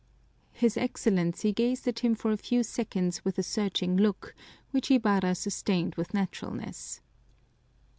His Excellency gazed at him for a few seconds with a searching look, which Ibarra sustained with naturalness.